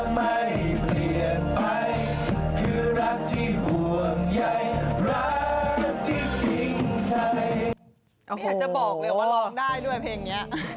ไม่อยากจะบอกว่าลองได้ด้วยเพลงนี้